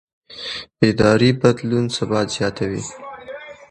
اداري بدلون ثبات زیاتوي